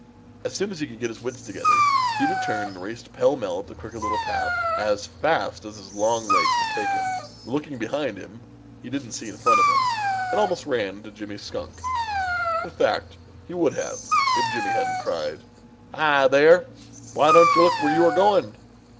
As soon as he could get his wits together, Peter turned and raced pell mell up the Crooked Little Path as fast as his long legs would take him. Looking behind him he didn't see in front of him, and so he almost ran into Jimmy Skunk. In fact, he would have, if Jimmy hadn't cried: "Hi, there! Why don't you look where you are going?